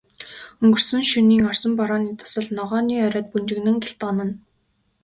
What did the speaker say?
Өнгөрсөн шөнийн орсон борооны дусал ногооны оройд бөнжгөнөн гялтганана.